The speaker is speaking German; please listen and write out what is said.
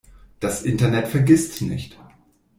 Das Internet vergisst nicht.